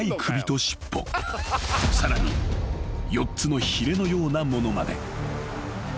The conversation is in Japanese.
［さらに４つのひれのようなものまで］